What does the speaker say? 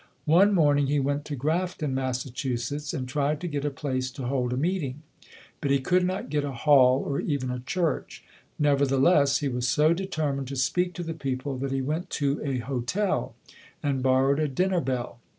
One morning he went to Grafton, Massachu setts, and tried to get a place to hold a meeting. But he could not get a hall or even a church. Nevertheless, he was so determined to speak to the people that he went to a hotel and borrowed a dinner bell.